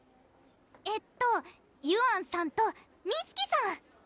えっとゆあんさんとみつきさん！